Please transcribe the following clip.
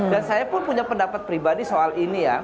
dan saya pun punya pendapat pribadi soal ini ya